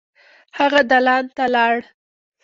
هغه دالان ته لاړ.